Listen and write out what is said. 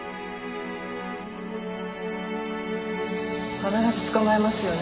必ず捕まえますよね？